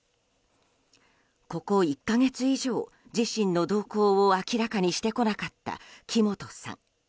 ここ１か月以上、自身の動向を明らかにしてこなかった木本さん。